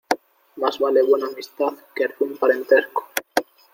Más vale buena amistad que ruin parentesco.